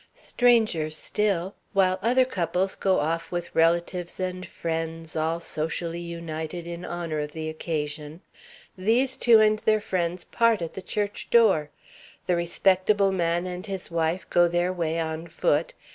Stranger still, while other couples go off with relatives and friends, all socially united in honor of the occasion, these two and their friends part at the church door. The respectable man and his wife go their way on foot.